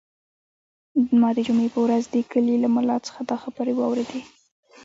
ما د جمعې په ورځ د کلي له ملا څخه دا خبرې واورېدې.